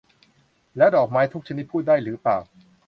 แล้วดอกไม้ทุกชนิดพูดได้หรือเปล่า ?